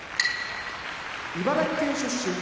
茨城県出身